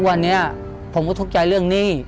ทุกวันเนี่ยผมก็ถูกใจเรื่องหนี้